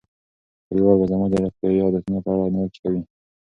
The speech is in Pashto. کلیوال به زما د روغتیايي عادتونو په اړه نیوکې کوي.